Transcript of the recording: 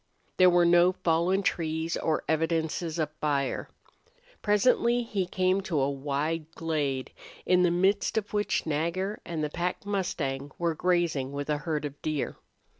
There were no fallen trees or evidences of fire. Presently he came to a wide glade in the midst of which Nagger and the pack mustang were grazing with a herd of deer.